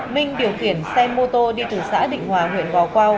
minh điều khiển xe mô tô đi từ xã định hòa huyện gò quao